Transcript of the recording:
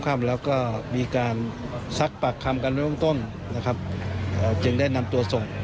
มีการนำปืนมา